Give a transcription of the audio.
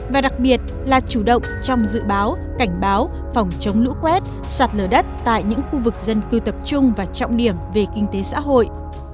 và đặc biệt là chủ động trong dự báo cảnh báo phòng chống lũ quét sạt lở đất tại những khu vực dân cư tập trung và trọng điểm về kinh tế xã hội